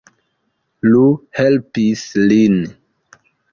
Iu helpis lin.